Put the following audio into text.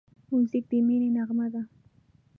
موزیک د مینې نغمه ده.